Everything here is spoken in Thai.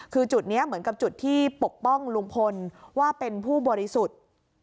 คือจุดนี้เหมือนกับจุดที่ปกป้องลุงพลว่าเป็นผู้บริสุทธิ์